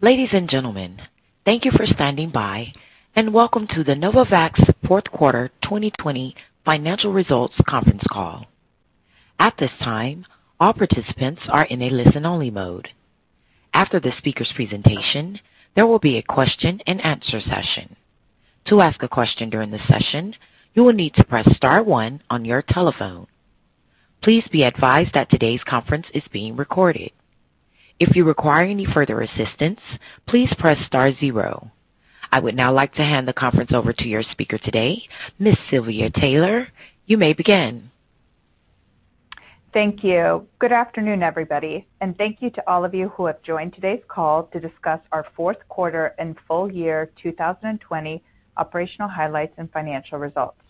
Ladies and gentlemen, thank you for standing by, and welcome to the Novavax Fourth Quarter and Full Year 2020 Financial Results Conference Call. At this time, all participants are in a listen only mode. After the speaker's presentation, there will be a question and answer session. To ask a question during the session, you will need to press star one on your telephone. Please be advised that today's conference is being recorded. If you require any further assistance, please press star zero. I would now like to hand the conference over to your speaker today, Ms. Silvia Taylor. You may begin. Thank you. Good afternoon, everybody, and thank you to all of you who have joined today's call to discuss our fourth quarter and full year 2020 operational highlights and financial results.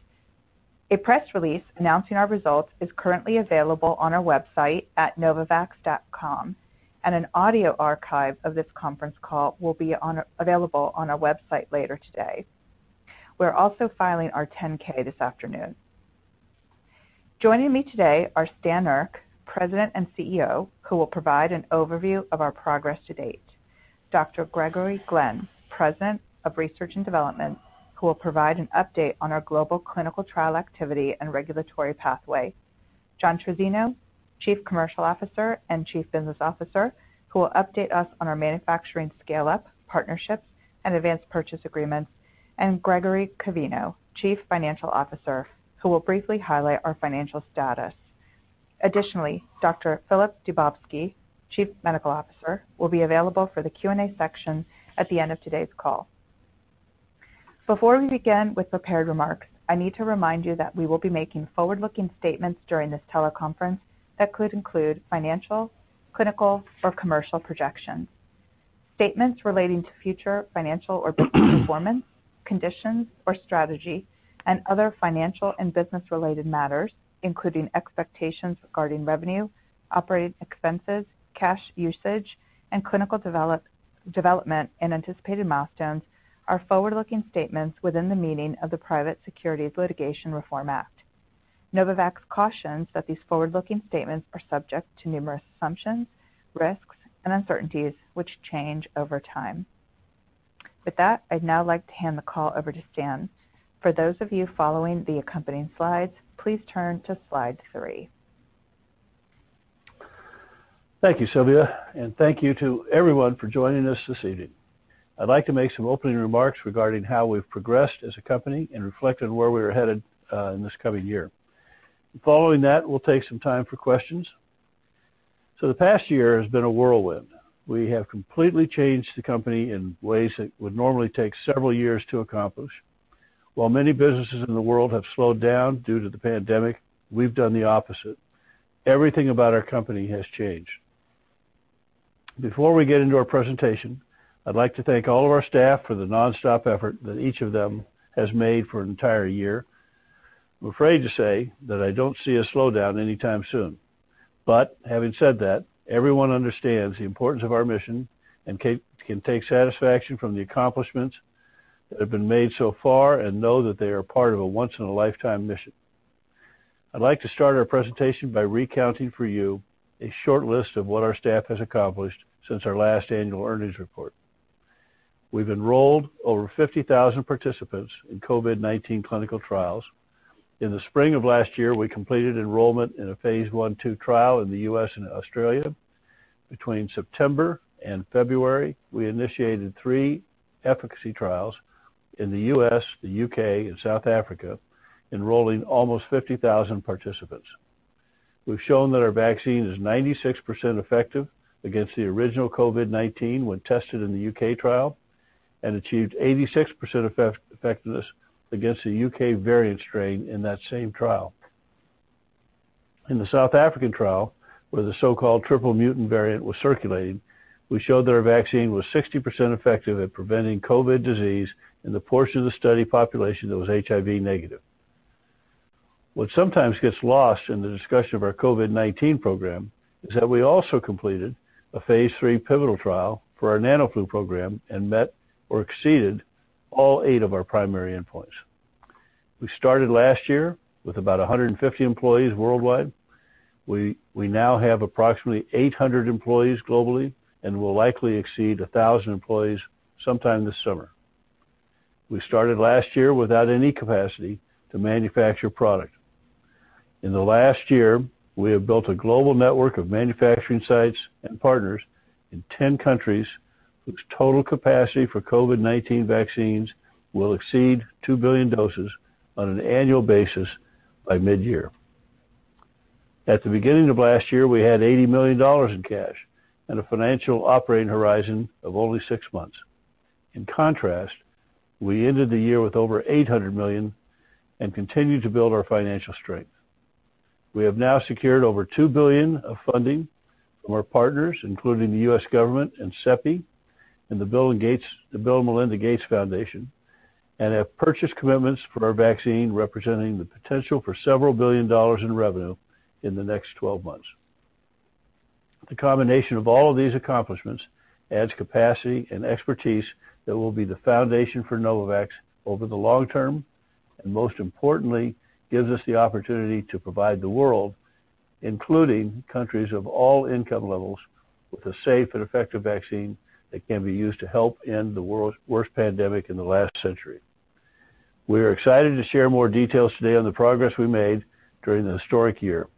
A press release announcing our results is currently available on our website at novavax.com, and an audio archive of this conference call will be available on our website later today. We're also filing our 10-K this afternoon. Joining me today are Stan Erck, President and CEO, who will provide an overview of our progress to date. Dr. Gregory Glenn, President of Research and Development, who will provide an update on our global clinical trial activity and regulatory pathway. John Trizzino, Chief Commercial Officer and Chief Business Officer, who will update us on our manufacturing scale-up partnerships and advance purchase agreements. And Gregory Covino, Chief Financial Officer, who will briefly highlight our financial status. Additionally, Dr. Filip Dubovsky, Chief Medical Officer, will be available for the Q and A section at the end of today's call. Before we begin with prepared remarks, I need to remind you that we will be making forward-looking statements during this teleconference that could include financial, clinical, or commercial projections. Statements relating to future financial or business performance, conditions or strategy, and other financial and business-related matters, including expectations regarding revenue, operating expenses, cash usage, and clinical development and anticipated milestones, are forward-looking statements within the meaning of the Private Securities Litigation Reform Act. Novavax cautions that these forward-looking statements are subject to numerous assumptions, risks, and uncertainties, which change over time. With that, I'd now like to hand the call over to Stan. For those of you following the accompanying slides, please turn to slide three. Thank you, Silvia, and thank you to everyone for joining us this evening. I'd like to make some opening remarks regarding how we've progressed as a company and reflect on where we are headed in this coming year. Following that, we'll take some time for questions. The past year has been a whirlwind. We have completely changed the company in ways that would normally take several years to accomplish. While many businesses in the world have slowed down due to the pandemic, we've done the opposite. Everything about our company has changed. Before we get into our presentation, I'd like to thank all of our staff for the nonstop effort that each of them has made for an entire year. I'm afraid to say that I don't see a slowdown anytime soon. But having said that, everyone understands the importance of our mission and can take satisfaction from the accomplishments that have been made so far and know that they are part of a once-in-a-lifetime mission. I'd like to start our presentation by recounting for you a short list of what our staff has accomplished since our last annual earnings report. We've enrolled over 50,000 participants in COVID-19 clinical trials. In the spring of last year, we completed enrollment in a Phase 1/2 trial in the U.S. and Australia. Between September and February, we initiated three efficacy trials in the U.S., the U.K., and South Africa, enrolling almost 50,000 participants. We've shown that our vaccine is 96% effective against the original COVID-19 when tested in the U.K. trial and achieved 86% effectiveness against the U.K. variant strain in that same trial. In the South African trial, where the so-called triple mutant variant was circulated, we showed that our vaccine was 60% effective at preventing COVID disease in the portion of the study population that was HIV negative. What sometimes gets lost in the discussion of our COVID-19 program is that we also completed a Phase 3 pivotal trial for our NanoFlu program and met or exceeded all eight of our primary endpoints. We started last year with about 150 employees worldwide. We now have approximately 800 employees globally and will likely exceed 1,000 employees sometime this summer. We started last year without any capacity to manufacture product. In the last year, we have built a global network of manufacturing sites and partners in 10 countries whose total capacity for COVID-19 vaccines will exceed 2 billion doses on an annual basis by mid-year. At the beginning of last year, we had $80 million in cash and a financial operating horizon of only six months. In contrast, we ended the year with over $800 million and continue to build our financial strength. We have now secured over $2 billion of funding from our partners, including the U.S. government and CEPI and the Bill & Melinda Gates Foundation, and have purchase commitments for our vaccine representing the potential for several billion dollars in revenue in the next 12 months. The combination of all of these accomplishments adds capacity and expertise that will be the foundation for Novavax over the long term and, most importantly, gives us the opportunity to provide the world, including countries of all income levels, with a safe and effective vaccine that can be used to help end the world's worst pandemic in the last century. We are excited to share more details today on the progress we made during the historic year.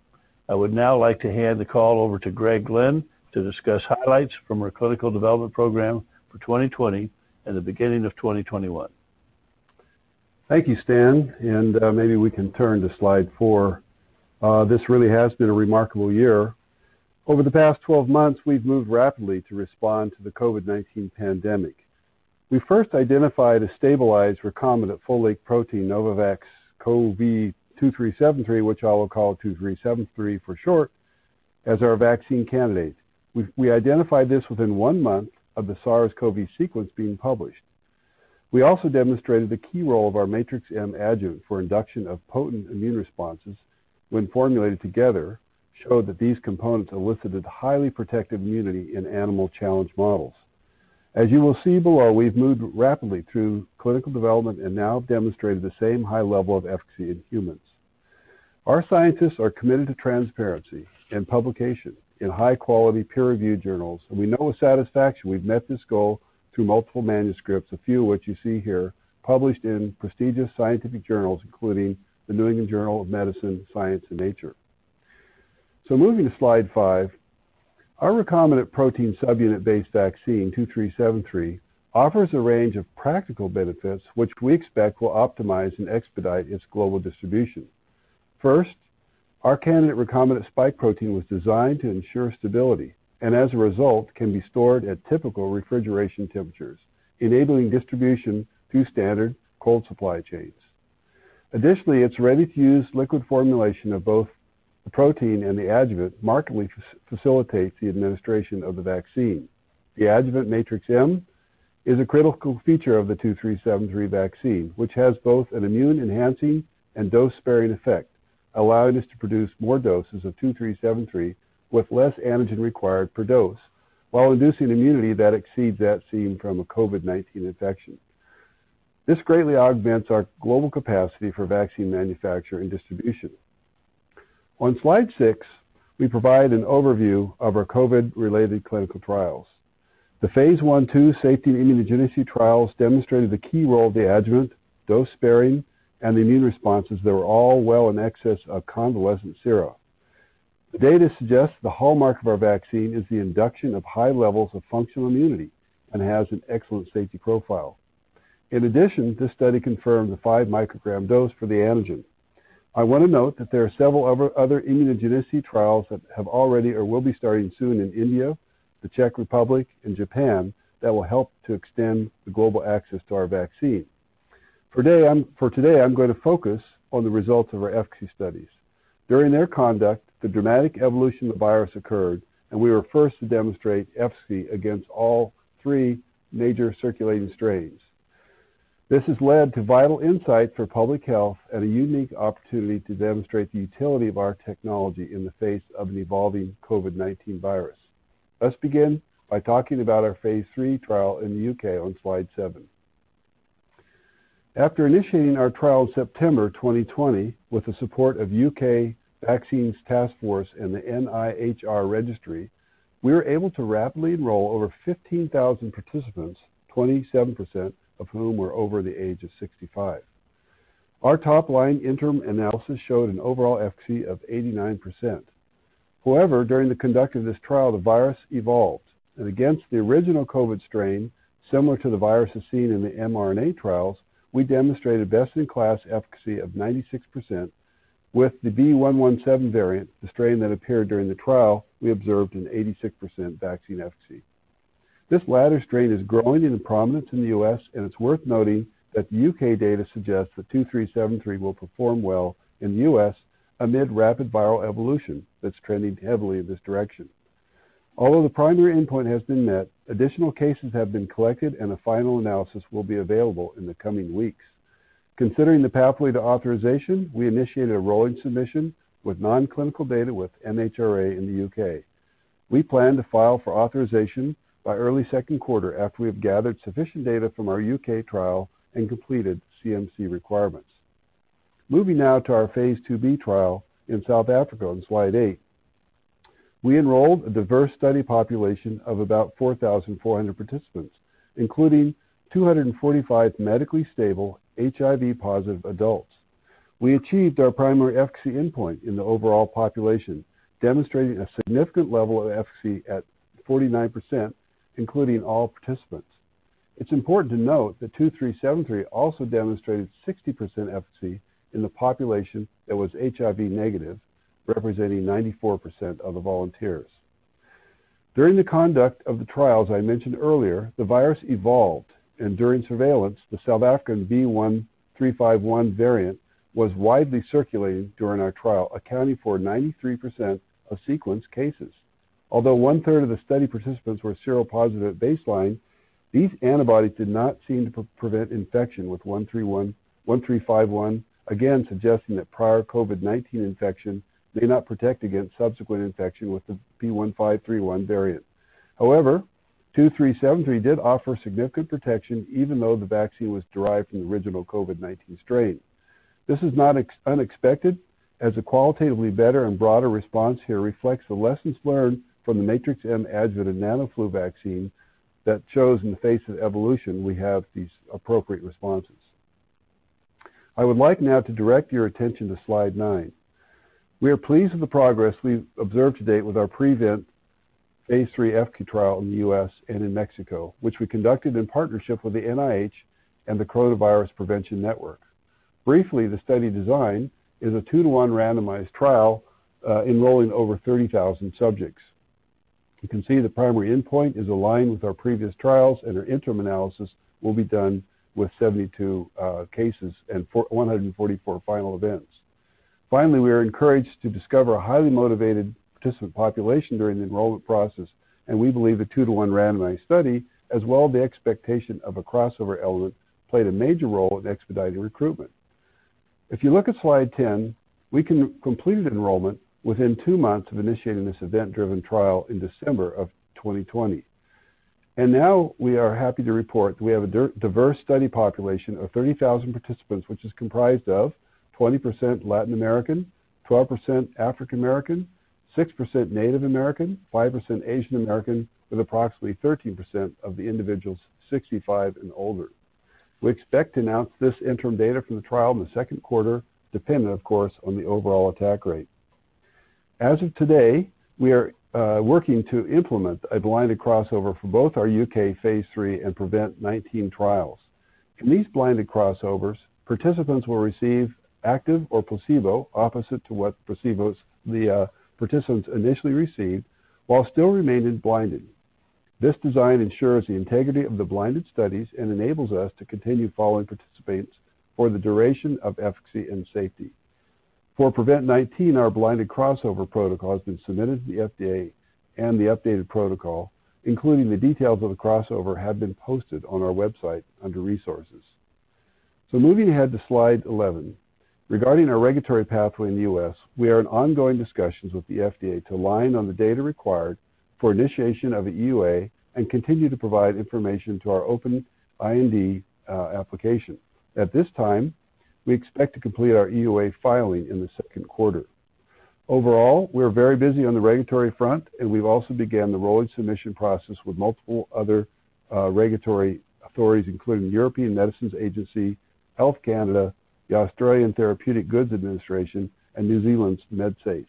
I would now like to hand the call over to Greg Glenn to discuss highlights from our clinical development program for 2020 and the beginning of 2021. Thank you, Stan, and maybe we can turn to slide four. This really has been a remarkable year. Over the past 12 months, we've moved rapidly to respond to the COVID-19 pandemic. We first identified a stabilized recombinant full-length protein, NVX-CoV2373, which I will call 2373 for short, as our vaccine candidate. We identified this within one month of the SARS-CoV-2 sequence being published. We also demonstrated the key role of our Matrix-M adjuvant for induction of potent immune responses. When formulated together, it showed that these components elicited highly protective immunity in animal challenge models. As you will see below, we've moved rapidly through clinical development and now demonstrated the same high level of efficacy in humans. Our scientists are committed to transparency and publication in high-quality peer-reviewed journals, and we know with satisfaction we've met this goal through multiple manuscripts, a few of which you see here, published in prestigious scientific journals, including the New England Journal of Medicine. So moving to slide five, our recombinant protein subunit-based vaccine 2373 offers a range of practical benefits, which we expect will optimize and expedite its global distribution. First, our candidate recombinant spike protein was designed to ensure stability and, as a result, can be stored at typical refrigeration temperatures, enabling distribution through standard cold supply chains. Additionally, its ready-to-use liquid formulation of both the protein and the adjuvant markedly facilitates the administration of the vaccine. The adjuvant Matrix-M is a critical feature of the 2373 vaccine, which has both an immune-enhancing and dose-sparing effect, allowing us to produce more doses of 2373 with less antigen required per dose, while inducing immunity that exceeds that seen from a COVID-19 infection. This greatly augments our global capacity for vaccine manufacture and distribution. On slide six, we provide an overview of our COVID-related clinical trials. The Phase 1/2 safety and immunogenicity trials demonstrated the key role of the adjuvant, dose-sparing, and the immune responses that were all well in excess of convalescent sera. The data suggests the hallmark of our vaccine is the induction of high levels of functional immunity and has an excellent safety profile. In addition, this study confirmed the five-microgram dose for the antigen. I want to note that there are several other immunogenicity trials that have already or will be starting soon in India, the Czech Republic, and Japan that will help to extend the global access to our vaccine. For today, I'm going to focus on the results of our efficacy studies. During their conduct, the dramatic evolution of the virus occurred, and we were first to demonstrate efficacy against all three major circulating strains. This has led to vital insight for public health and a unique opportunity to demonstrate the utility of our technology in the face of an evolving COVID-19 virus. Let's begin by talking about our Phase 3 trial in the U.K. on slide seven. After initiating our trial in September 2020 with the support of the U.K. Vaccines Taskforce and the MHRA registry, we were able to rapidly enroll over 15,000 participants, 27% of whom were over the age of 65. Our top-line interim analysis showed an overall efficacy of 89%. However, during the conduct of this trial, the virus evolved, and against the original COVID strain, similar to the viruses seen in the mRNA trials, we demonstrated best-in-class efficacy of 96%. With the B.1.1.7 variant, the strain that appeared during the trial, we observed an 86% vaccine efficacy. This latter strain is growing in prominence in the U.S., and it's worth noting that the U.K. data suggests that 2373 will perform well in the U.S. amid rapid viral evolution that's trending heavily in this direction. Although the primary endpoint has been met, additional cases have been collected, and a final analysis will be available in the coming weeks. Considering the pathway to authorization, we initiated a rolling submission with nonclinical data with MHRA in the U.K. We plan to file for authorization by early second quarter after we have gathered sufficient data from our U.K. trial and completed CMC requirements. Moving now to our Phase 2b trial in South Africa on slide eight, we enrolled a diverse study population of about 4,400 participants, including 245 medically stable HIV-positive adults. We achieved our primary efficacy endpoint in the overall population, demonstrating a significant level of efficacy at 49%, including all participants. It's important to note that 2373 also demonstrated 60% efficacy in the population that was HIV negative, representing 94% of the volunteers. During the conduct of the trials I mentioned earlier, the virus evolved, and during surveillance, the South African B.1.351 variant was widely circulating during our trial, accounting for 93% of sequenced cases. Although one-third of the study participants were seropositive at baseline, these antibodies did not seem to prevent infection with B.1.351, again suggesting that prior COVID-19 infection may not protect against subsequent infection with the B.1.351 variant. However, 2373 did offer significant protection, even though the vaccine was derived from the original COVID-19 strain. This is not unexpected, as a qualitatively better and broader response here reflects the lessons learned from the Matrix-M adjuvant and NanoFlu vaccine that shows, in the face of evolution, we have these appropriate responses. I would like now to direct your attention to slide nine. We are pleased with the progress we've observed to date with our PREVENT-19 Phase 3 efficacy trial in the U.S. and in Mexico, which we conducted in partnership with the NIH and the COVID-19 Prevention Network. Briefly, the study design is a two-to-one randomized trial enrolling over 30,000 subjects. You can see the primary endpoint is aligned with our previous trials, and our interim analysis will be done with 72 cases and 144 final events. Finally, we are encouraged to discover a highly motivated participant population during the enrollment process, and we believe the two-to-one randomized study, as well as the expectation of a crossover element, played a major role in expediting recruitment. If you look at slide 10, we completed enrollment within two months of initiating this event-driven trial in December of 2020. And now we are happy to report that we have a diverse study population of 30,000 participants, which is comprised of 20% Latin American, 12% African American, 6% Native American, 5% Asian American, with approximately 13% of the individuals 65 and older. We expect to announce this interim data from the trial in the second quarter, dependent, of course, on the overall attack rate. As of today, we are working to implement a blinded crossover for both our U.K. Phase 3 and PREVENT-19 trials. In these blinded crossovers, participants will receive active or placebo opposite to what placebos the participants initially received while still remaining blinded. This design ensures the integrity of the blinded studies and enables us to continue following participants for the duration of efficacy and safety. For PREVENT-19, our blinded crossover protocol has been submitted to the FDA, and the updated protocol, including the details of the crossover, have been posted on our website under resources, so moving ahead to slide 11, regarding our regulatory pathway in the U.S., we are in ongoing discussions with the FDA to align on the data required for initiation of an EUA and continue to provide information to our open IND application. At this time, we expect to complete our EUA filing in the second quarter. Overall, we're very busy on the regulatory front, and we've also begun the rolling submission process with multiple other regulatory authorities, including the European Medicines Agency, Health Canada, the Australian Therapeutic Goods Administration, and New Zealand's Medsafe.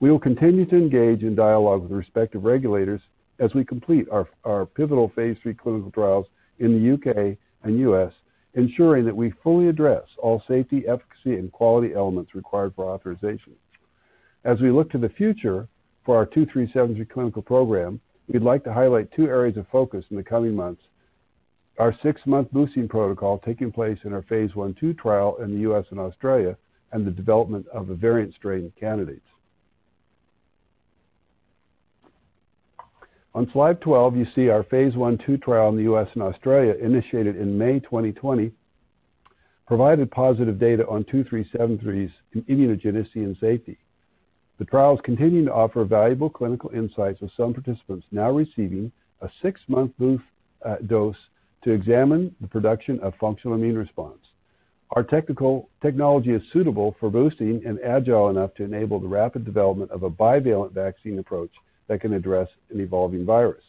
We will continue to engage in dialogue with respective regulators as we complete our pivotal Phase 3 clinical trials in the U.K. and U.S., ensuring that we fully address all safety, efficacy, and quality elements required for authorization. As we look to the future for our 2373 clinical program, we'd like to highlight two areas of focus in the coming months: our six-month boosting protocol taking place in our Phase 1/2 trial in the U.S. and Australia, and the development of the variant strain candidates. On slide 12, you see our Phase 1/2 trial in the U.S., and Australia, initiated in May 2020, provided positive data on 2373's immunogenicity and safety. The trials continue to offer valuable clinical insights, with some participants now receiving a six-month boost dose to examine the production of functional immune response. Our technology is suitable for boosting and agile enough to enable the rapid development of a bivalent vaccine approach that can address an evolving virus.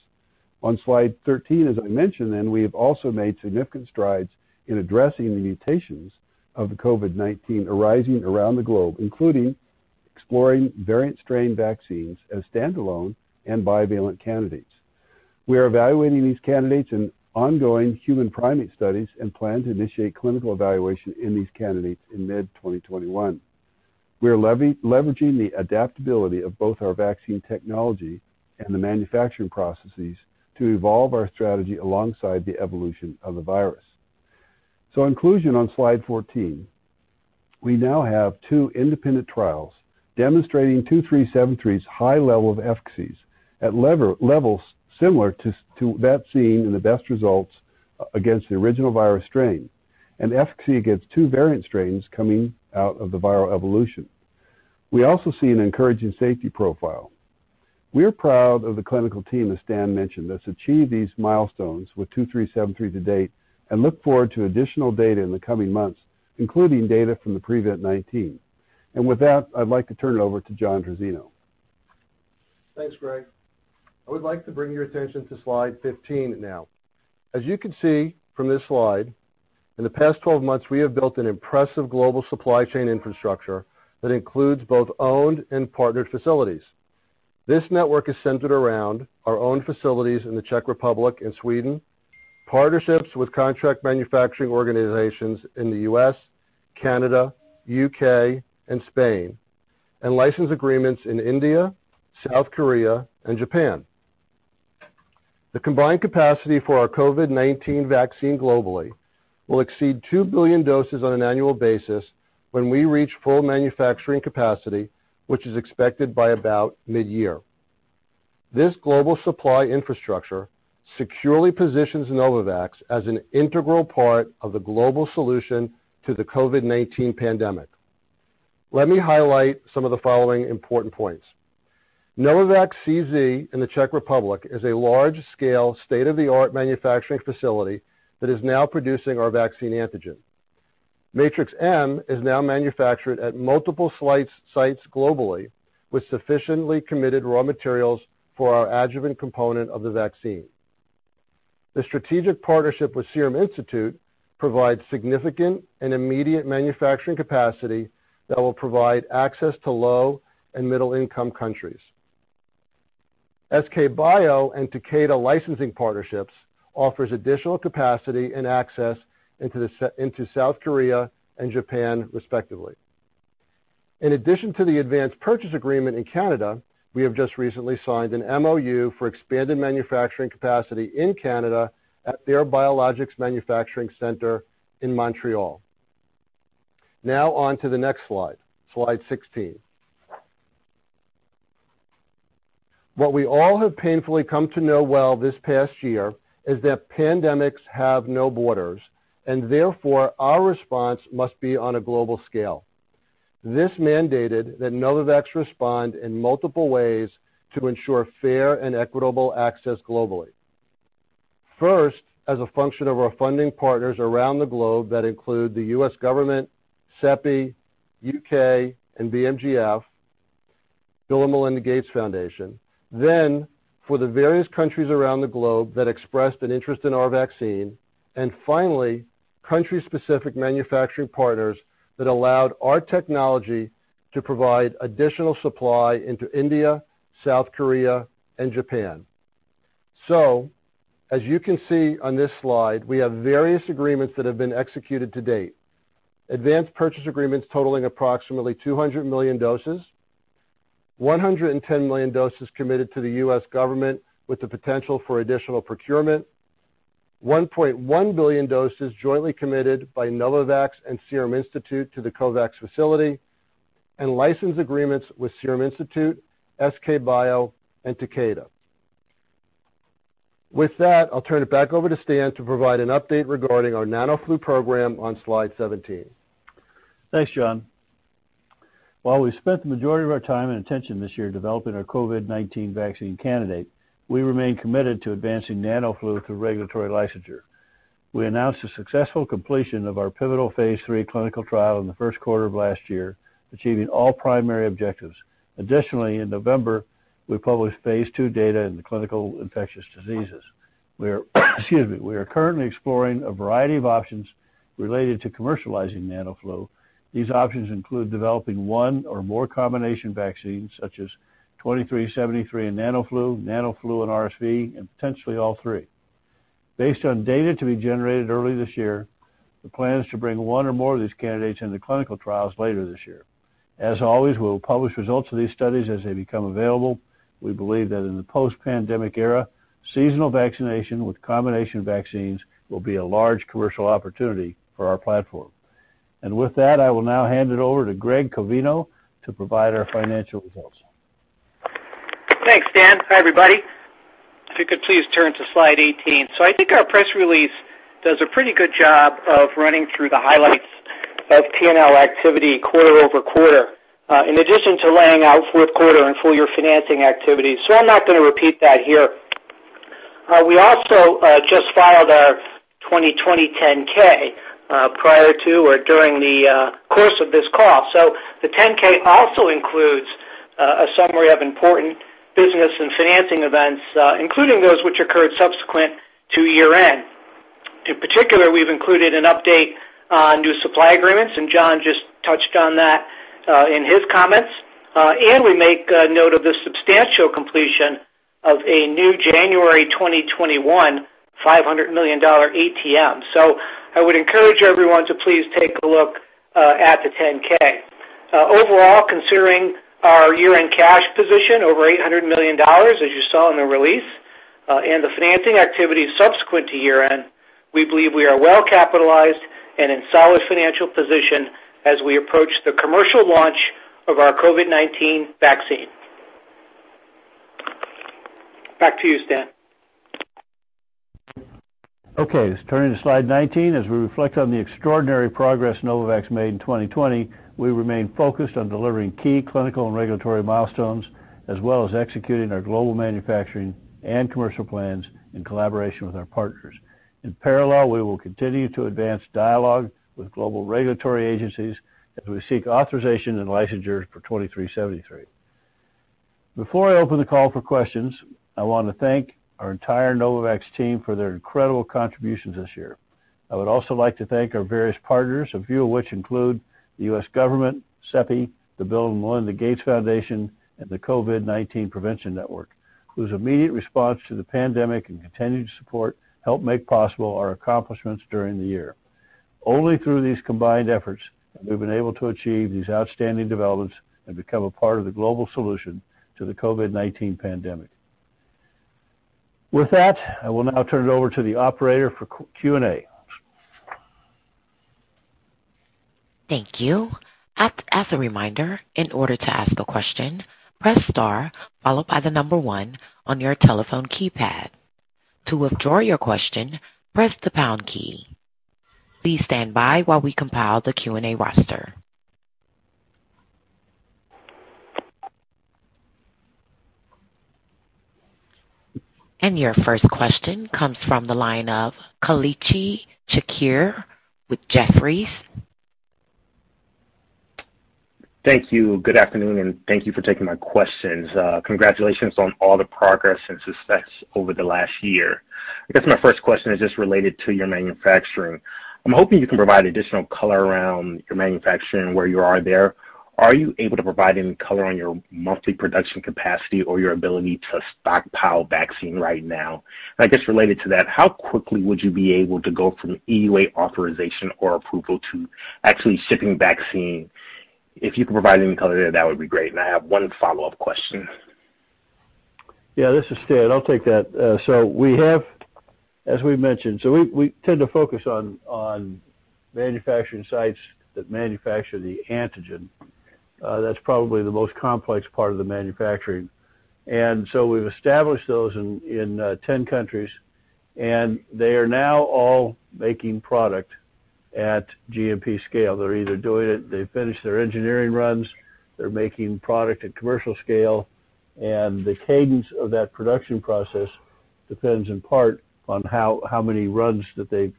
On slide 13, as I mentioned, we have also made significant strides in addressing the mutations of the COVID-19 arising around the globe, including exploring variant strain vaccines as standalone and bivalent candidates. We are evaluating these candidates in ongoing non-human primate studies and plan to initiate clinical evaluation in these candidates in mid-2021. We are leveraging the adaptability of both our vaccine technology and the manufacturing processes to evolve our strategy alongside the evolution of the virus. In conclusion, on slide 14, we now have two independent trials demonstrating 2373's high level of efficacies at levels similar to that seen in the best results against the original virus strain and efficacy against two variant strains coming out of the viral evolution. We also see an encouraging safety profile. We are proud of the clinical team, as Stan mentioned, that's achieved these milestones with 2373 to date and look forward to additional data in the coming months, including data from the PREVENT-19. With that, I'd like to turn it over to John Trizzino. Thanks, Greg. I would like to bring your attention to slide 15 now. As you can see from this slide, in the past 12 months, we have built an impressive global supply chain infrastructure that includes both owned and partnered facilities. This network is centered around our own facilities in the Czech Republic and Sweden, partnerships with contract manufacturing organizations in the U.S., Canada, U.K., and Spain, and license agreements in India, South Korea, and Japan. The combined capacity for our COVID-19 vaccine globally will exceed 2 billion doses on an annual basis when we reach full manufacturing capacity, which is expected by about mid-year. This global supply infrastructure securely positions Novavax as an integral part of the global solution to the COVID-19 pandemic. Let me highlight some of the following important points. Novavax CZ in the Czech Republic is a large scale, state of the art manufacturing facility that is now producing our vaccine antigen. Matrix-M is now manufactured at multiple sites globally with sufficiently committed raw materials for our adjuvant component of the vaccine. The strategic partnership with Serum Institute provides significant and immediate manufacturing capacity that will provide access to low and middle-income countries. SK Bio and Takeda Licensing Partnerships offers additional capacity and access into South Korea and Japan, respectively. In addition to the advance purchase agreement in Canada, we have just recently signed an MOU for expanded manufacturing capacity in Canada at their Biologics Manufacturing Centre in Montreal. Now on to the next slide, slide 16. What we all have painfully come to know well this past year is that pandemics have no borders, and therefore our response must be on a global scale. This mandated that Novavax respond in multiple ways to ensure fair and equitable access globally. First, as a function of our funding partners around the globe that include the U.S. government, CEPI, U.K., and BMGF, Bill & Melinda Gates Foundation, then for the various countries around the globe that expressed an interest in our vaccine, and finally, country-specific manufacturing partners that allowed our technology to provide additional supply into India, South Korea, and Japan. So, as you can see on this slide, we have various agreements that have been executed to date: advance purchase agreements totaling approximately 200 million doses, 110 million doses committed to the U.S. government with the potential for additional procurement, 1.1 billion doses jointly committed by Novavax and Serum Institute to the COVAX facility, and license agreements with Serum Institute, SK Bio, and Takeda. With that, I'll turn it back over to Stan to provide an update regarding our NanoFlu program on slide 17. Thanks, John. While we've spent the majority of our time and attention this year developing our COVID-19 vaccine candidate, we remain committed to advancing NanoFlu through regulatory licensure. We announced the successful completion of our pivotal Phase 3 clinical trial in the first quarter of last year, achieving all primary objectives. Additionally, in November, we published Phase 2 data in Clinical Infectious Diseases. We are currently exploring a variety of options related to commercializing NanoFlu. These options include developing one or more combination vaccines, such as 2373 and NanoFlu, NanoFlu and RSV, and potentially all three. Based on data to be generated early this year, the plan is to bring one or more of these candidates into clinical trials later this year. As always, we will publish results of these studies as they become available. We believe that in the post-pandemic era, seasonal vaccination with combination vaccines will be a large commercial opportunity for our platform. And with that, I will now hand it over to Greg Covino to provide our financial results. Thanks, Stan. Hi, everybody. If you could please turn to slide 18, so I think our press release does a pretty good job of running through the highlights of P&L activity quarter over quarter, in addition to laying out fourth quarter and full-year financing activities, so I'm not going to repeat that here. We also just filed our 2020 10-K prior to or during the course of this call, so the 10-K also includes a summary of important business and financing events, including those which occurred subsequent to year-end. In particular, we've included an update on new supply agreements, and John just touched on that in his comments, and we make note of the substantial completion of a new January 2021 $500 million ATM, so I would encourage everyone to please take a look at the 10-K. Overall, considering our year-end cash position over $800 million, as you saw in the release, and the financing activities subsequent to year-end, we believe we are well capitalized and in solid financial position as we approach the commercial launch of our COVID-19 vaccine. Back to you, Stan. Okay. Turning to slide 19, as we reflect on the extraordinary progress Novavax made in 2020, we remain focused on delivering key clinical and regulatory milestones, as well as executing our global manufacturing and commercial plans in collaboration with our partners. In parallel, we will continue to advance dialogue with global regulatory agencies as we seek authorization and licensure for 2373. Before I open the call for questions, I want to thank our entire Novavax team for their incredible contributions this year. I would also like to thank our various partners, a few of which include the U.S. government, CEPI, the Bill and Melinda Gates Foundation, and the COVID-19 Prevention Network, whose immediate response to the pandemic and continued support helped make possible our accomplishments during the year. Only through these combined efforts have we been able to achieve these outstanding developments and become a part of the global solution to the COVID-19 pandemic. With that, I will now turn it over to the operator for Q and A. Thank you. As a reminder, in order to ask a question, press star followed by the number one on your telephone keypad. To withdraw your question, press the pound key. Please stand by while we compile the Q and A roster. And your first question comes from the line of Kelechi Chikere with Jefferies. Thank you. Good afternoon, and thank you for taking my questions. Congratulations on all the progress and success over the last year. I guess my first question is just related to your manufacturing. I'm hoping you can provide additional color around your manufacturing where you are there. Are you able to provide any color on your monthly production capacity or your ability to stockpile vaccine right now? And I guess related to that, how quickly would you be able to go from EUA authorization or approval to actually shipping vaccine? If you could provide any color there, that would be great. And I have one follow-up question. Yeah, this is Stan. I'll take that. So we have, as we mentioned, so we tend to focus on manufacturing sites that manufacture the antigen. That's probably the most complex part of the manufacturing. And so we've established those in 10 countries, and they are now all making product at GMP scale. They're either doing it, they finish their engineering runs, they're making product at commercial scale, and the cadence of that production process depends in part on how many runs that they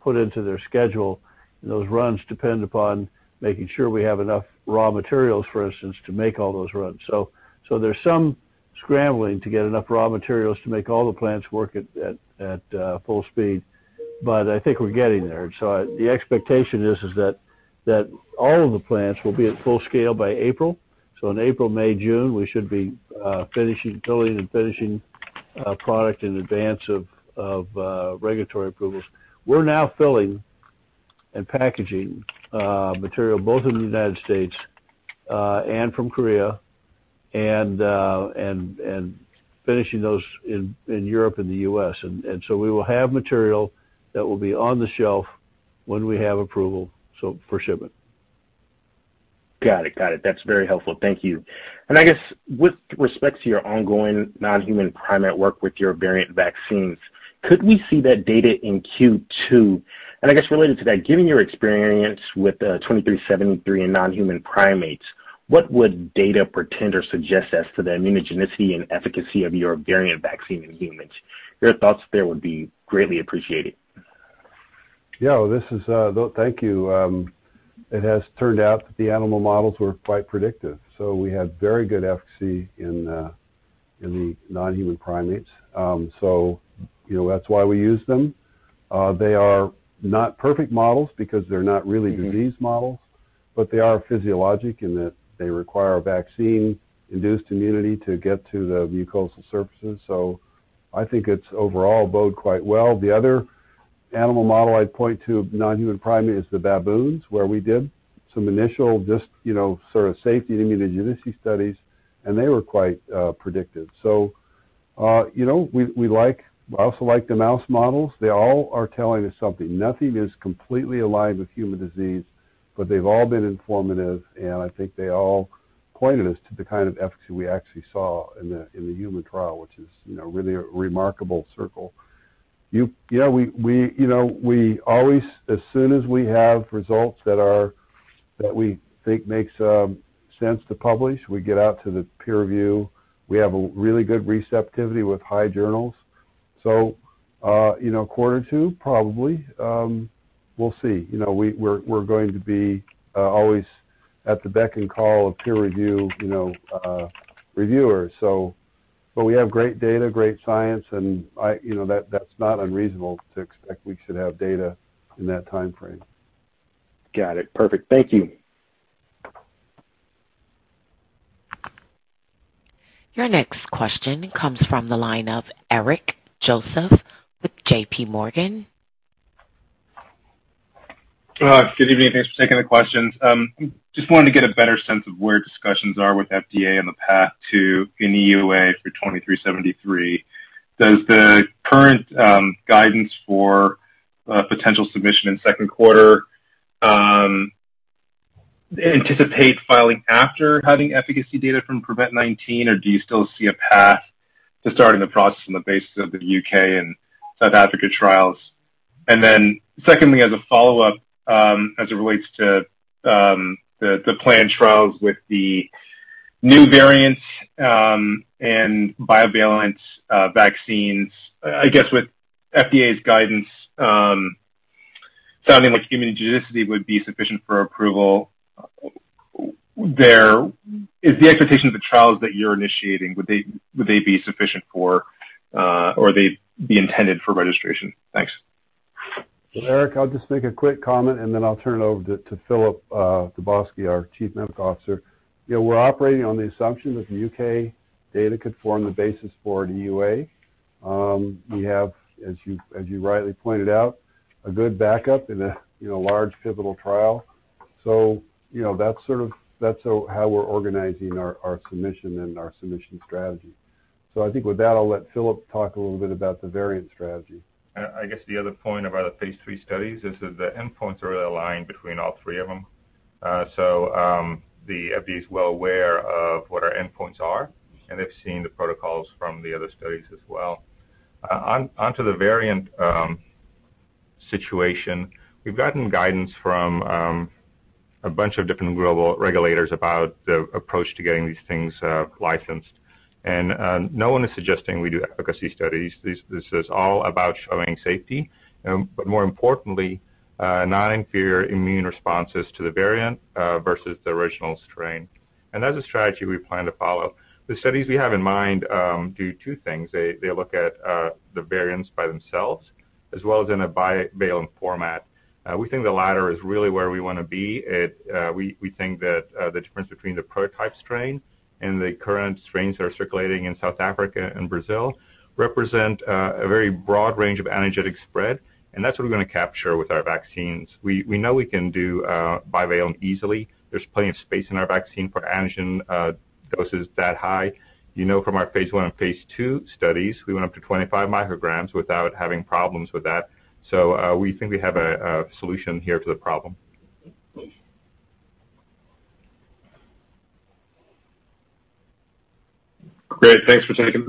put into their schedule. And those runs depend upon making sure we have enough raw materials, for instance, to make all those runs. So there's some scrambling to get enough raw materials to make all the plants work at full speed. But I think we're getting there. So the expectation is that all of the plants will be at full scale by April. In April, May, June, we should be filling and finishing product in advance of regulatory approvals. We're now filling and packaging material both in the United States and from Korea and finishing those in Europe and the U.S. We will have material that will be on the shelf when we have approval for shipment. Got it. Got it. That's very helpful. Thank you. And I guess with respect to your ongoing non-human primate work with your variant vaccines, could we see that data in Q2? And I guess related to that, given your experience with 2373 and non-human primates, what would data portend or suggest as to the immunogenicity and efficacy of your variant vaccine in humans? Your thoughts there would be greatly appreciated. Yeah, well, thank you. It has turned out that the animal models were quite predictive. So we have very good efficacy in the non-human primates. So that's why we use them. They are not perfect models because they're not really disease models, but they are physiologic in that they require vaccine-induced immunity to get to the mucosal surfaces. So I think it's overall gone quite well. The other animal model I'd point to, non-human primate, is the baboons, where we did some initial just sort of safety and immunogenicity studies, and they were quite predictive. So we also like the mouse models. They all are telling us something. Nothing is completely aligned with human disease, but they've all been informative, and I think they all pointed us to the kind of efficacy we actually saw in the human trial, which is really a remarkable circle. Yeah, we always, as soon as we have results that we think make sense to publish, we get out to the peer review. We have a really good receptivity with high journals. So quarter two, probably. We'll see. We're going to be always at the beck and call of peer reviewers. But we have great data, great science, and that's not unreasonable to expect we should have data in that timeframe. Got it. Perfect. Thank you. Your next question comes from the line of Eric Joseph with JPMorgan. Good evening. Thanks for taking the questions. Just wanted to get a better sense of where discussions are with FDA on the path to an EUA for 2373. Does the current guidance for potential submission in second quarter anticipate filing after having efficacy data from PREVENT-19, or do you still see a path to starting the process on the basis of the UK and South Africa trials? And then secondly, as a follow-up, as it relates to the planned trials with the new variants and bivalent vaccines, I guess with FDA's guidance sounding like immunogenicity would be sufficient for approval, is the expectation of the trials that you're initiating, would they be sufficient for, or would they be intended for registration? Thanks. Eric, I'll just make a quick comment, and then I'll turn it over to Filip Dubovsky, our Chief Medical Officer. We're operating on the assumption that the UK data could form the basis for an EUA. We have, as you rightly pointed out, a good backup in a large pivotal trial. So that's sort of how we're organizing our submission and our submission strategy. So I think with that, I'll let Filip talk a little bit about the variant strategy. I guess the other point about the phase three studies is that the endpoints are aligned between all three of them, so the FDA is well aware of what our endpoints are, and they've seen the protocols from the other studies as well. Onto the variant situation, we've gotten guidance from a bunch of different global regulators about the approach to getting these things licensed, and no one is suggesting we do efficacy studies. This is all about showing safety, but more importantly, not inferior immune responses to the variant versus the original strain, and that's a strategy we plan to follow. The studies we have in mind do two things. They look at the variants by themselves, as well as in a bivalent format. We think the latter is really where we want to be. We think that the difference between the prototype strain and the current strains that are circulating in South Africa and Brazil represent a very broad range of antigenic spread, and that's what we're going to capture with our vaccines. We know we can do bivalent easily. There's plenty of space in our vaccine for antigen doses that high. You know from our Phase 1 and phase two studies, we went up to 25 micrograms without having problems with that. So we think we have a solution here to the problem. Great. Thanks for taking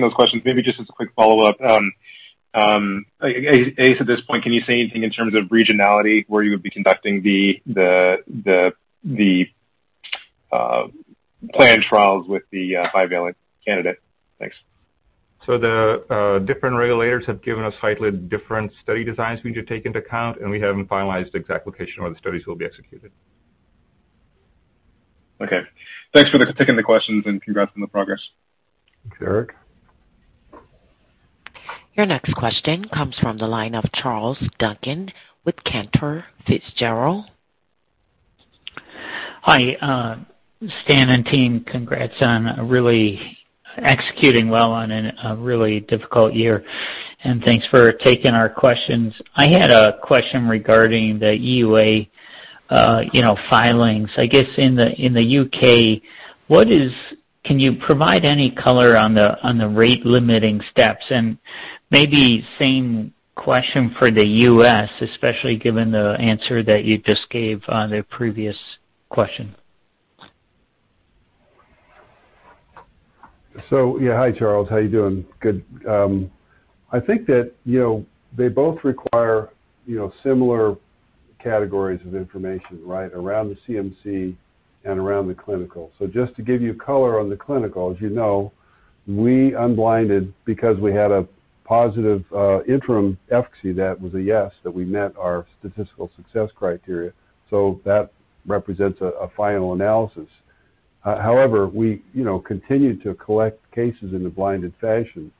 those questions. Maybe just as a quick follow-up. At this point, can you say anything in terms of regionality where you would be conducting the planned trials with the bivalent candidate? Thanks. So the different regulators have given us slightly different study designs we need to take into account, and we haven't finalized the exact location where the studies will be executed. Okay. Thanks for taking the questions and congrats on the progress. Thanks, Eric. Your next question comes from the line of Charles Duncan with Cantor Fitzgerald. Hi. Stan and team, congrats. I'm really executing well on a really difficult year, and thanks for taking our questions. I had a question regarding the EUA filings. I guess in the U.K., can you provide any color on the rate-limiting steps? And maybe same question for the U.S., especially given the answer that you just gave on the previous question? Yeah, hi, Charles. How are you doing? Good. I think that they both require similar categories of information, right, around the CMC and around the clinical. Just to give you color on the clinical, as you know, we unblinded because we had a positive interim efficacy that was a yes, that we met our statistical success criteria. That represents a final analysis. However, we continue to collect cases in a blinded fashion,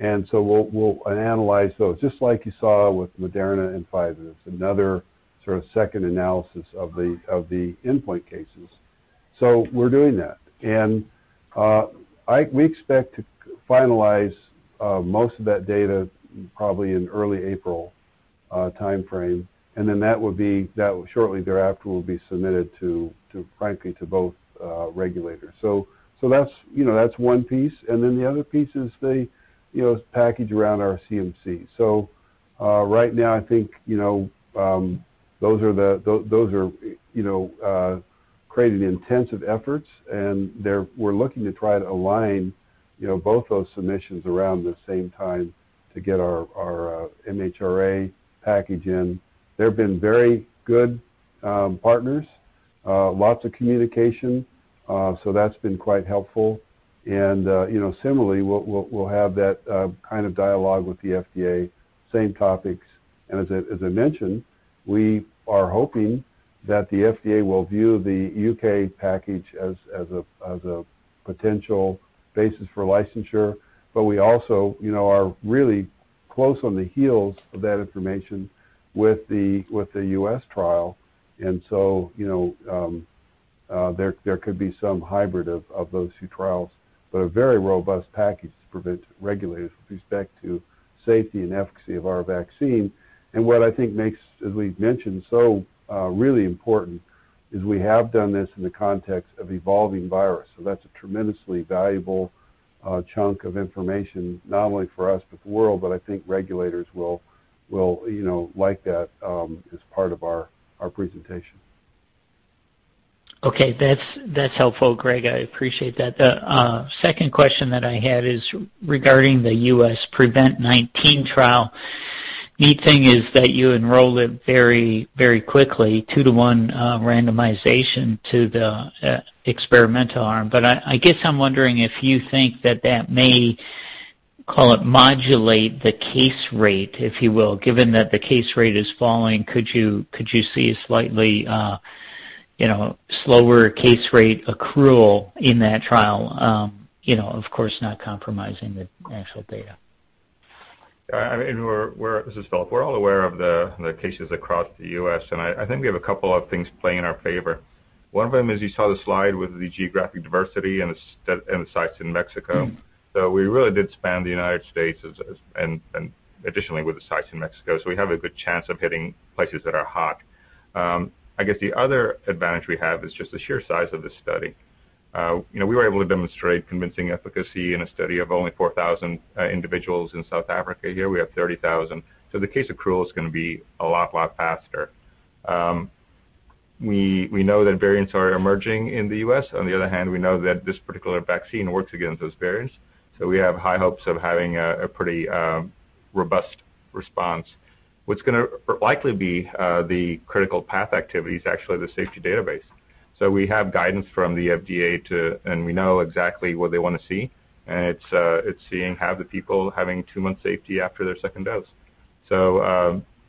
and so we'll analyze those, just like you saw with Moderna and Pfizer. It's another sort of second analysis of the endpoint cases. We're doing that. We expect to finalize most of that data probably in early April timeframe, and then that will be shortly thereafter will be submitted to, frankly, to both regulators. That's one piece. The other piece is the package around our CMC. So right now, I think those are creating intensive efforts, and we're looking to try to align both those submissions around the same time to get our MHRA package in. They've been very good partners, lots of communication, so that's been quite helpful. And similarly, we'll have that kind of dialogue with the FDA, same topics. And as I mentioned, we are hoping that the FDA will view the U.K. package as a potential basis for licensure, but we also are really close on the heels of that information with the U.S. trial. And so there could be some hybrid of those two trials, but a very robust package to present regulators with respect to safety and efficacy of our vaccine. And what I think makes, as we've mentioned, so really important is we have done this in the context of evolving virus. That's a tremendously valuable chunk of information, not only for us but the world, but I think regulators will like that as part of our presentation. Okay. That's helpful, Greg. I appreciate that. The second question that I had is regarding the U.S. PREVENT-19 trial. Neat thing is that you enrolled it very, very quickly, two-to-one randomization to the experimental arm. But I guess I'm wondering if you think that that may, call it, modulate the case rate, if you will, given that the case rate is falling. Could you see a slightly slower case rate accrual in that trial, of course, not compromising the actual data? This is Filip. We're all aware of the cases across the U.S., and I think we have a couple of things playing in our favor. One of them is you saw the slide with the geographic diversity and the sites in Mexico. So we really did span the United States, and additionally with the sites in Mexico. So we have a good chance of hitting places that are hot. I guess the other advantage we have is just the sheer size of this study. We were able to demonstrate convincing efficacy in a study of only 4,000 individuals in South Africa. Here we have 30,000. So the case accrual is going to be a lot, lot faster. We know that variants are emerging in the U.S. On the other hand, we know that this particular vaccine works against those variants. We have high hopes of having a pretty robust response. What's going to likely be the critical path activity is actually the safety database. We have guidance from the FDA, and we know exactly what they want to see, and it's seeing half the people having two months' safety after their second dose.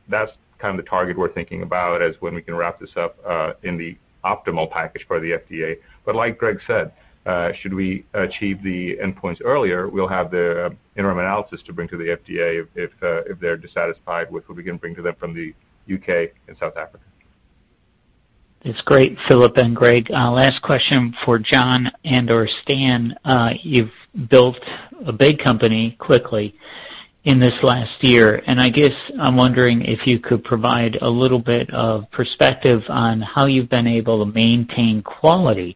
That's kind of the target we're thinking about as when we can wrap this up in the optimal package for the FDA. But like Greg said, should we achieve the endpoints earlier, we'll have the interim analysis to bring to the FDA if they're dissatisfied with what we can bring to them from the U.K. and South Africa. That's great, Filip and Greg. Last question for John and/or Stan. You've built a big company quickly in this last year, and I guess I'm wondering if you could provide a little bit of perspective on how you've been able to maintain quality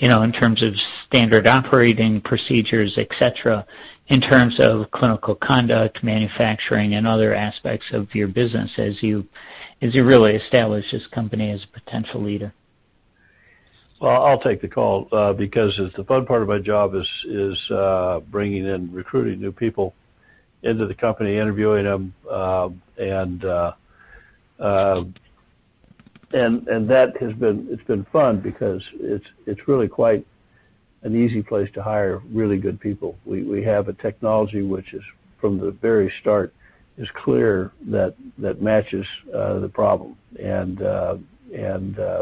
in terms of standard operating procedures, etc., in terms of clinical conduct, manufacturing, and other aspects of your business as you really establish this company as a potential leader. I'll take the call because the fun part of my job is bringing in and recruiting new people into the company, interviewing them, and that has been fun because it's really quite an easy place to hire really good people. We have a technology which is, from the very start, clear that matches the problem. And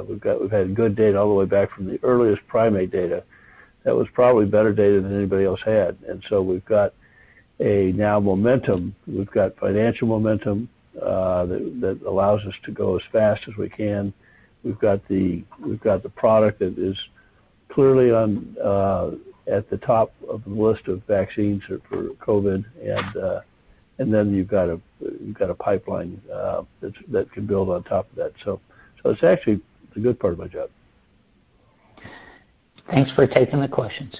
we've had good data all the way back from the earliest primate data that was probably better data than anybody else had. And so we've got now momentum. We've got financial momentum that allows us to go as fast as we can. We've got the product that is clearly at the top of the list of vaccines for COVID, and then you've got a pipeline that can build on top of that. So it's actually the good part of my job. Thanks for taking the questions.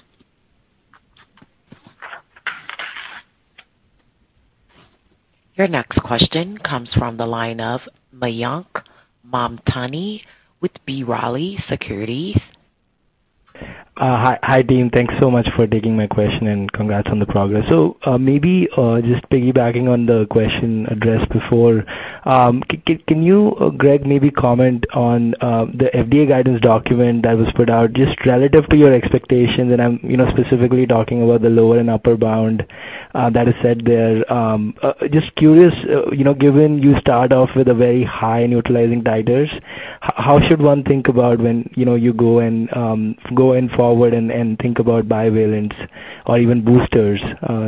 Your next question comes from the line of Mayank Mamtani with B. Riley Securities. Hi, Stan. Thanks so much for taking my question, and congrats on the progress. So maybe just piggybacking on the question addressed before, can you, Greg, maybe comment on the FDA guidance document that was put out just relative to your expectations? And I'm specifically talking about the lower and upper bounds that are said there. Just curious, given you start off with a very high neutralizing titers, how should one think about when you go forward and think about bivalence or even boosters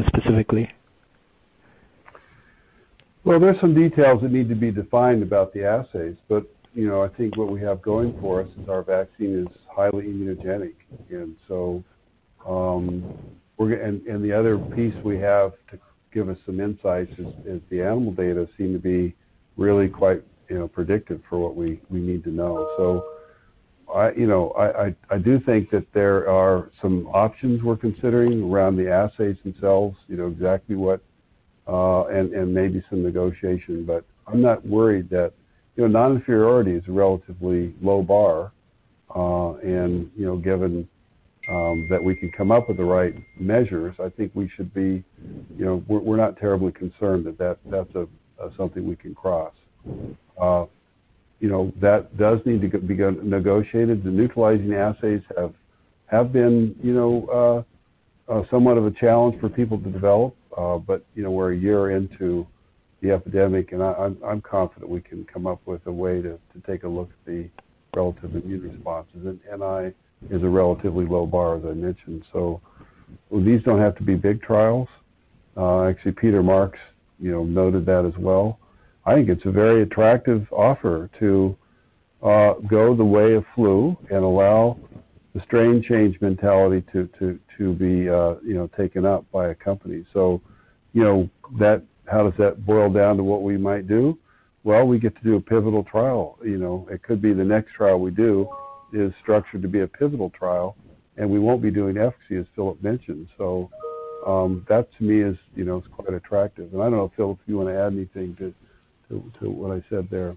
specifically? There are some details that need to be defined about the assays, but I think what we have going for us is our vaccine is highly immunogenic. The other piece we have to give us some insights is the animal data seem to be really quite predictive for what we need to know. I do think that there are some options we're considering around the assays themselves, exactly what, and maybe some negotiation. I'm not worried that noninferiority is a relatively low bar. Given that we can come up with the right measures, I think we should be. We're not terribly concerned that that's something we can cross. That does need to be negotiated. The neutralizing assays have been somewhat of a challenge for people to develop, but we're a year into the epidemic, and I'm confident we can come up with a way to take a look at the relative immune responses. And it is a relatively low bar, as I mentioned. So these don't have to be big trials. Actually, Peter Marks noted that as well. I think it's a very attractive offer to go the way of flu and allow the strain change mentality to be taken up by a company. So how does that boil down to what we might do? Well, we get to do a pivotal trial. It could be the next trial we do is structured to be a pivotal trial, and we won't be doing efficacy, as Filip mentioned. So that, to me, is quite attractive. I don't know, Filip, if you want to add anything to what I said there?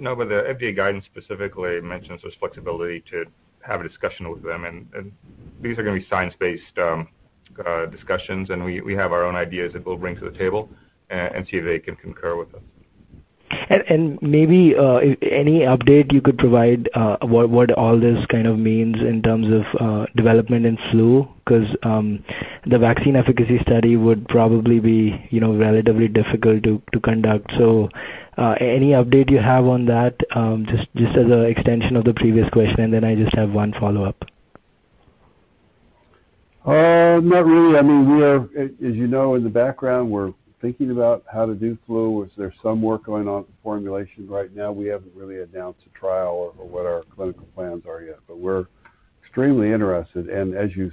No, but the FDA guidance specifically mentions this flexibility to have a discussion with them. And these are going to be science-based discussions, and we have our own ideas that we'll bring to the table and see if they can concur with us. And maybe any update you could provide what all this kind of means in terms of development in flu? Because the vaccine efficacy study would probably be relatively difficult to conduct. So any update you have on that, just as an extension of the previous question? And then I just have one follow-up. Not really. I mean, as you know, in the background, we're thinking about how to do flu. There's some work going on with formulation right now. We haven't really announced a trial or what our clinical plans are yet, but we're extremely interested. And as you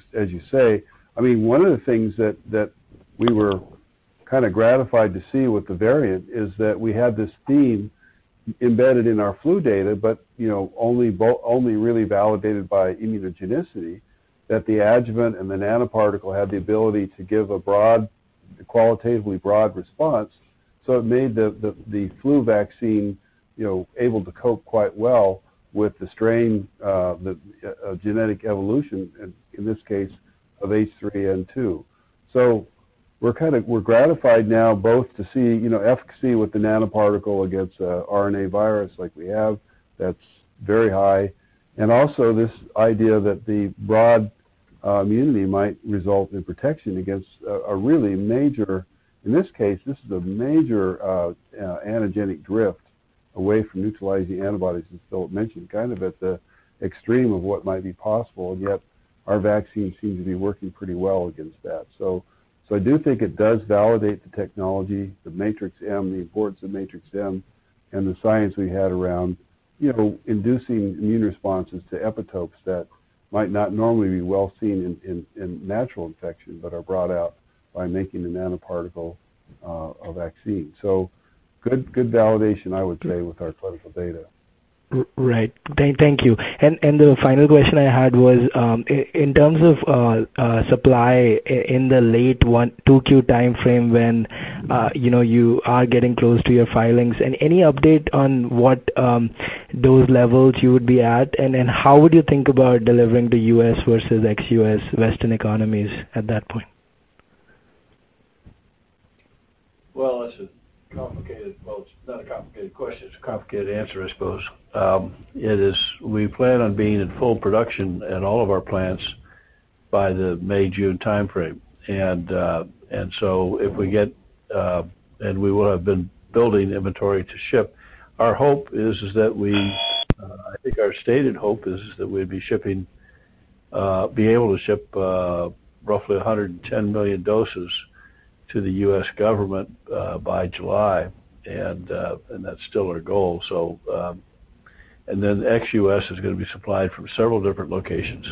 say, I mean, one of the things that we were kind of gratified to see with the variant is that we had this theme embedded in our flu data, but only really validated by immunogenicity, that the adjuvant and the nanoparticle had the ability to give a qualitatively broad response. So it made the flu vaccine able to cope quite well with the strain genetic evolution, in this case, of H3N2. So we're gratified now both to see efficacy with the nanoparticle against RNA virus like we have. That's very high. Also this idea that the broad immunity might result in protection against a really major, in this case, this is a major antigenic drift away from neutralizing antibodies, as Filip mentioned, kind of at the extreme of what might be possible. And yet our vaccine seems to be working pretty well against that. So I do think it does validate the technology, the Matrix-M, the importance of Matrix-M, and the science we had around inducing immune responses to epitopes that might not normally be well seen in natural infection but are brought out by making the nanoparticle vaccine. So good validation, I would say, with our clinical data. Right. Thank you. And the final question I had was, in terms of supply in the late 2Q timeframe when you are getting close to your filings, any update on what those levels you would be at? And then how would you think about delivering to U.S. versus ex-U.S. Western economies at that point? Well, that's a complicated. Well, it's not a complicated question. It's a complicated answer, I suppose. We plan on being in full production at all of our plants by the May/June timeframe. And so if we get, and we will have been building inventory to ship, our hope is that we, I think our stated hope is that we'd be able to ship roughly 110 million doses to the U.S. government by July. And that's still our goal. And then ex-US is going to be supplied from several different locations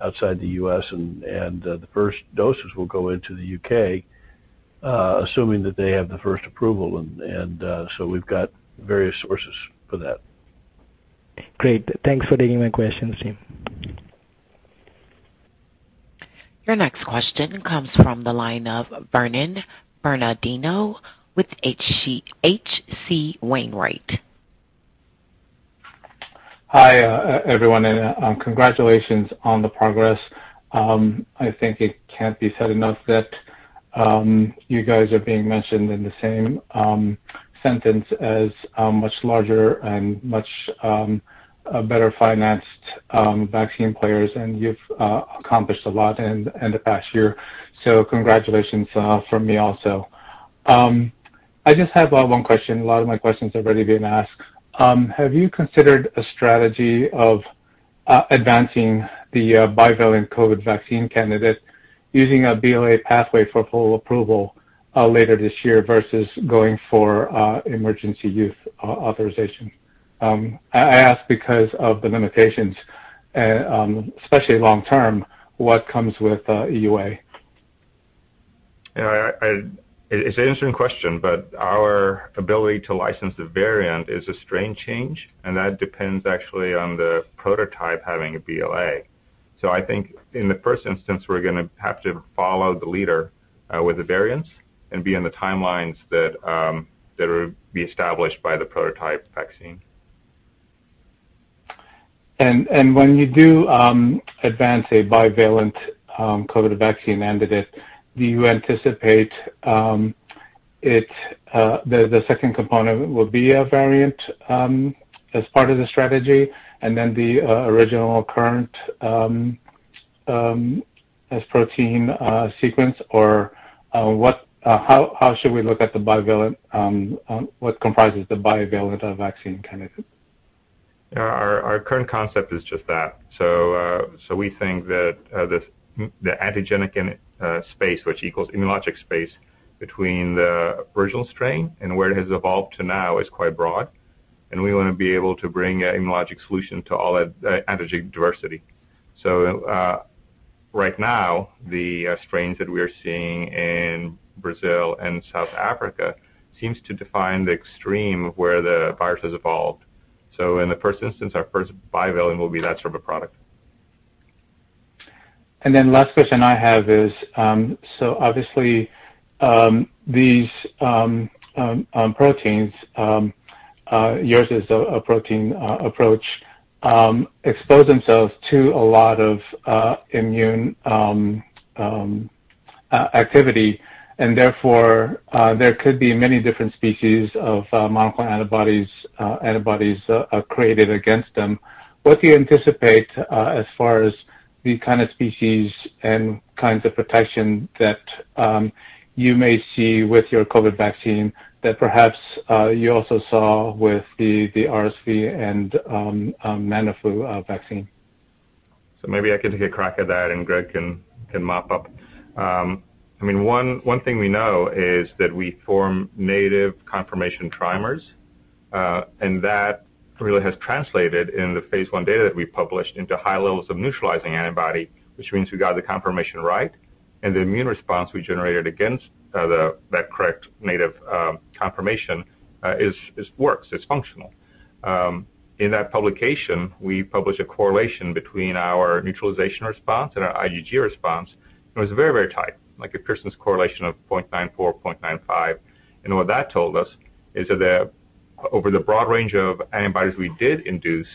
outside the U.S. And the first doses will go into the U.K., assuming that they have the first approval. And so we've got various sources for that. Great. Thanks for taking my questions, Stan Your next question comes from the line of Vernon Bernardino with H.C. Wainwright. Hi, everyone, and congratulations on the progress. I think it can't be said enough that you guys are being mentioned in the same sentence as much larger and much better financed vaccine players, and you've accomplished a lot in the past year, so congratulations from me also. I just have one question. A lot of my questions have already been asked. Have you considered a strategy of advancing the bivalent COVID vaccine candidate using a BLA pathway for full approval later this year versus going for emergency use authorization? I ask because of the limitations, especially long-term, what comes with EUA. It's an interesting question, but our ability to license the variant is a strain change, and that depends actually on the prototype having a BLA. So I think in the first instance, we're going to have to follow the leader with the variants and be in the timelines that will be established by the prototype vaccine. When you do advance a bivalent COVID vaccine candidate, do you anticipate the second component will be a variant as part of the strategy and then the original current protein sequence? Or how should we look at what comprises the bivalent vaccine candidate? Our current concept is just that. So we think that the antigenic space, which equals immunologic space between the original strain and where it has evolved to now, is quite broad. And we want to be able to bring an immunologic solution to all that antigenic diversity. So right now, the strains that we are seeing in Brazil and South Africa seem to define the extreme of where the virus has evolved. So in the first instance, our first bivalent will be that sort of a product. And then the last question I have is, so obviously, these proteins, yours is a protein approach, expose themselves to a lot of immune activity. And therefore, there could be many different species of monoclonal antibodies created against them. What do you anticipate as far as the kind of species and kinds of protection that you may see with your COVID vaccine that perhaps you also saw with the RSV and NanoFlu vaccine? So maybe I can take a crack at that, and Greg can mop up. I mean, one thing we know is that we form native conformational trimers, and that really has translated in the Phase 1 data that we published into high levels of neutralizing antibody, which means we got the conformational right. And the immune response we generated against that correct native conformational works. It's functional. In that publication, we published a correlation between our neutralization response and our IgG response. It was very, very tight, like a Pearson's correlation of 0.94, 0.95. And what that told us is that over the broad range of antibodies we did induce,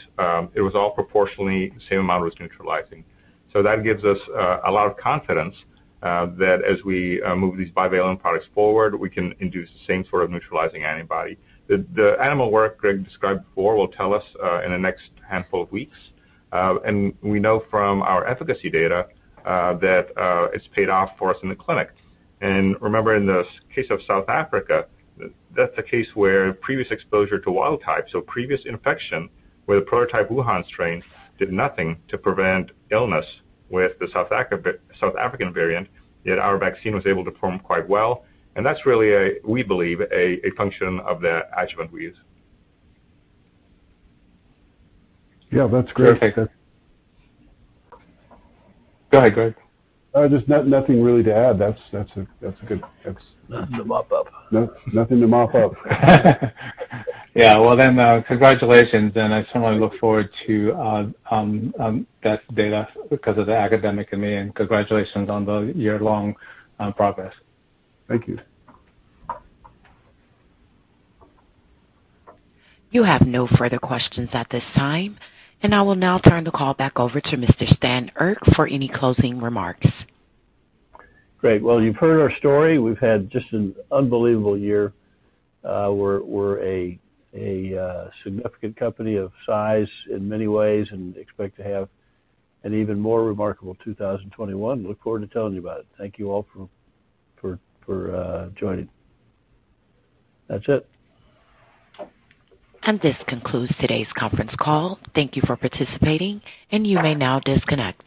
it was all proportionally the same amount it was neutralizing. So that gives us a lot of confidence that as we move these bivalent products forward, we can induce the same sort of neutralizing antibody. The animal work Greg described before will tell us in the next handful of weeks. We know from our efficacy data that it's paid off for us in the clinic. Remember, in the case of South Africa, that's a case where previous exposure to wild types or previous infection with a prototype Wuhan-Hu-1 strain did nothing to prevent illness with the South African variant. Yet our vaccine was able to perform quite well. That's really, we believe, a function of the adjuvant we use. Yeah, that's great. Perfect. Go ahead, Greg. There's nothing really to add. That's a good. Nothing to mop up. Nothing to mop up. Yeah. Well, then congratulations. And I certainly look forward to that data because of the academic in me. And congratulations on the year-long progress. Thank you. You have no further questions at this time, and I will now turn the call back over to Mr. Stan Erck for any closing remarks. Great. Well, you've heard our story. We've had just an unbelievable year. We're a significant company of size in many ways and expect to have an even more remarkable 2021. Look forward to telling you about it. Thank you all for joining. That's it. This concludes today's conference call. Thank you for participating, and you may now disconnect.